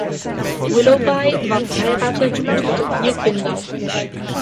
Willoughby war verheiratet und hatte vier Kinder.